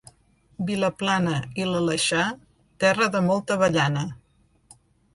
Vilaplana i l'Aleixar, terra de molta avellana.